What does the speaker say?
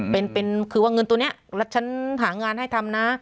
เป็นคือว่าเงินตัวนี้แล้วฉันหางานให้ทำนะ